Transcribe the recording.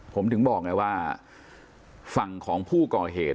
ผมถึงบอกไงว่าฝั่งของผู้ก่อเหตุ